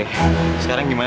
oke sekarang gimana